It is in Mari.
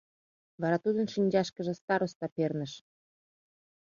Вара тудын шинчашкыже староста перныш.